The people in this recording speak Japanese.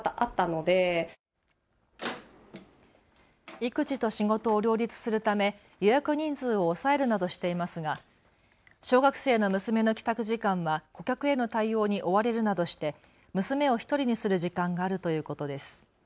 育児と仕事を両立するため予約人数を抑えるなどしていますが小学生の娘の帰宅時間は顧客への対応に追われるなどして娘を１人にする時間があるということです。